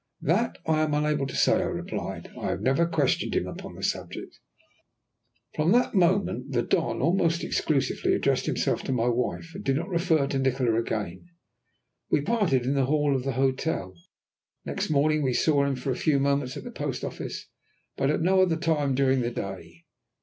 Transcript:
"That I am unable to say," I replied. "I have never questioned him upon the subject." From that moment the Don almost exclusively addressed himself to my wife, and did not refer to Nikola again. We parted in the hall of the hotel. Next morning we saw him for a few moments at the post office, but at no other time during the day.